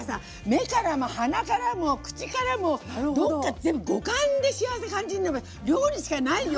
目からも鼻からも口からもどっか全部五感で幸せ感じるの料理しかないよ。